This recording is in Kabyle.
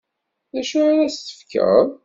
D acu ara as-tefkeḍ?